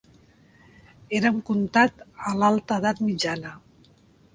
Era un comtat a l'alta edat mitjana.